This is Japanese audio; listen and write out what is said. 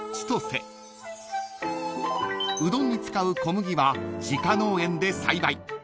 ［うどんに使う小麦は自家農園で栽培］